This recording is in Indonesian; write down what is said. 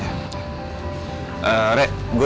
yang penting rajadisa